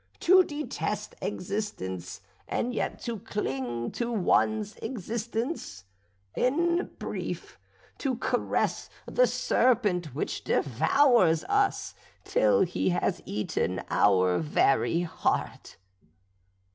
to detest existence and yet to cling to one's existence? in brief, to caress the serpent which devours us, till he has eaten our very heart?